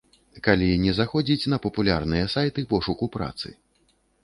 Калі не заходзіць на папулярныя сайты пошуку працы.